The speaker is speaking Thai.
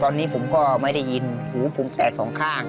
ตอนนี้ผมก็ไม่ได้ยินหูภูมิแตกสองข้าง